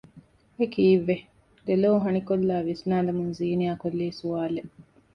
އެކީއްވެ؟ ދެލޯ ހަނިކޮއްލާ ވިސްނާލަމުން ޒީނިޔާ ކޮއްލީ ސުވާލެއް